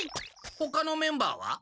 ほかのメンバーは？